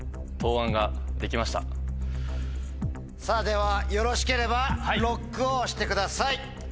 ではよろしければＬＯＣＫを押してください。